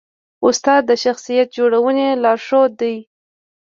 استاد د شخصیت جوړونې لارښود دی.